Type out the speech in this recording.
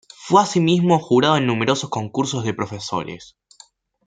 Fue asimismo jurado en numerosos concursos de profesores.